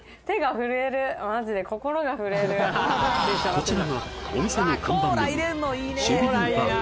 こちらがお店の看板メニュー